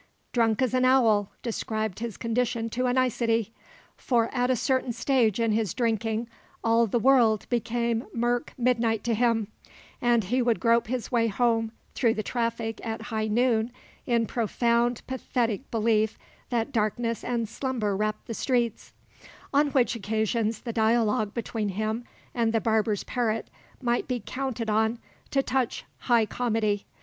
"Drunk as an owl" described his condition to a nicety; for at a certain stage in his drinking all the world became mirk midnight to him, and he would grope his way home through the traffic at high noon in profound, pathetic belief that darkness and slumber wrapped the streets; on which occasions the dialogue between him and the barber's parrot might be counted on to touch high comedy.